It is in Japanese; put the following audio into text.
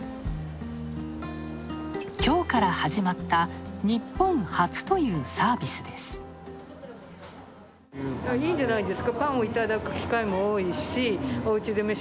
きょうから始まった日本初というサービスです。